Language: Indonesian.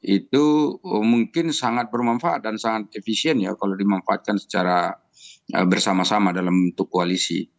itu mungkin sangat bermanfaat dan sangat efisien ya kalau dimanfaatkan secara bersama sama dalam bentuk koalisi